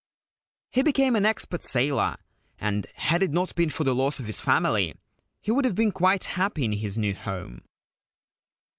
He became an expert sailor, and had it not been for the loss of his family he would have been quite happy in his new home.